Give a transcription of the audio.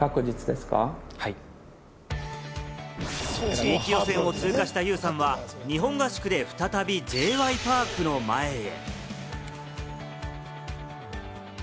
地域予選を通過したユウさんは、日本合宿で再びＪ．Ｙ．Ｐａｒｋの前へ。